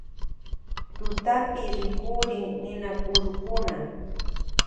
Tutapi rikurin ninakurukuna.